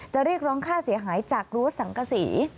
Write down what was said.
เรียกร้องค่าเสียหายจากรั้วสังกษี